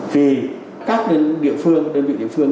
vì các địa phương đơn vị địa phương